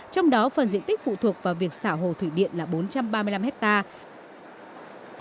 trong đó phần diện tích phụ thuộc vào việc xảo hồ thủy điện là bốn trăm ba mươi năm hectare